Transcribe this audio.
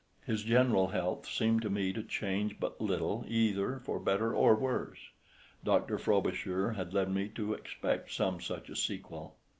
His general health seemed to me to change but little either for better or worse. Dr. Frobisher had led me to expect some such a sequel.